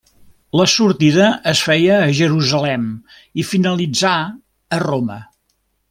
La sortida es feia a Jerusalem i finalitzà a Roma.